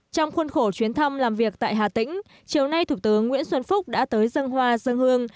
trong khuôn khổ chuyến thăm làm việc tại hà tĩnh chiều nay thủ tướng nguyễn xuân phúc đã tới dân hoa dân hương